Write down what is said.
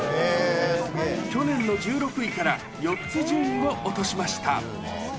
去年の１６位から４つ順位を落としました。